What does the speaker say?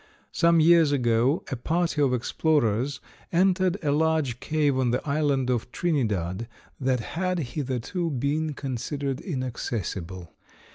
Some years ago a party of explorers entered a large cave on the island of Trinidad that had hitherto been considered inaccessible.